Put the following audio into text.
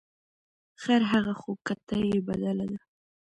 ـ خرهغه خو کته یې بدله ده .